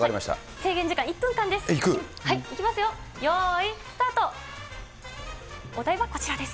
制限時間１分間です。